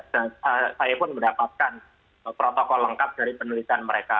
saya pun mendapatkan protokol lengkap dari penelitian mereka